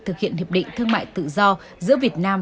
thực hiện hiệp định thương mại tự do giữa việt nam